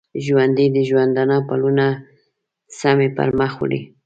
ژوندي د ژوندانه پلونه سمی پرمخ وړي